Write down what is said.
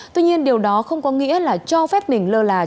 tuy nhiên điều đó không có nghĩa là cho phép mình lơ là